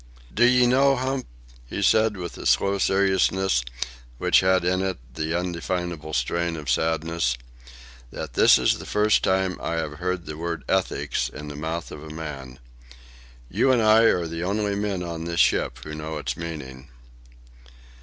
"D'ye know, Hump," he said, with a slow seriousness which had in it an indefinable strain of sadness, "that this is the first time I have heard the word 'ethics' in the mouth of a man. You and I are the only men on this ship who know its meaning."